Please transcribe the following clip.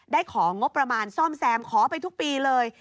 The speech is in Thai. ของงบประมาณซ่อมแซมขอไปทุกปีเลย